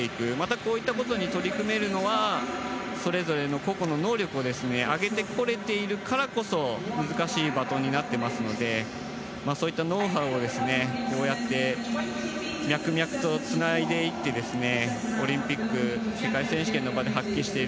こういったことに取り組めるのはそれぞれの個々の能力を上げてこれているからこそ難しいバトンになっていますのでそういったノウハウをこうやって脈々とつないでいってオリンピック世界選手権の場で発揮している。